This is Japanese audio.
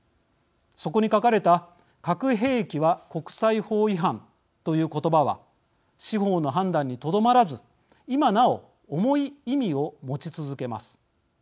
そこに書かれた核兵器は国際法違反という言葉は司法の判断にとどまらず今なお、重い意味を持ち続けます。